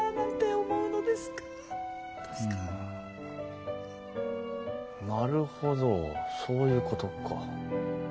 うんなるほどそういうことか。